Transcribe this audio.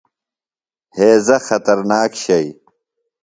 ہیضہ خطرناک شئی۔